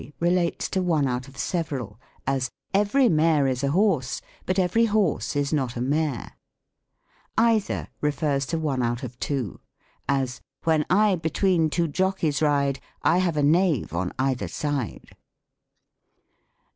Every relates to one out of several ; as, " Every mare is a horse, but every horse is not a mare." Eiilier refers to one out of two ; as, " When I between two jockeys ride, I have a knave on either side."